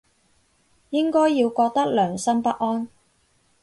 應該要覺得良心不安